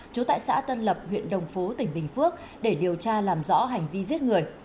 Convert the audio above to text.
trú tại xã tân lập huyện đồng phú tỉnh bình phước để điều tra làm rõ hành vi giết người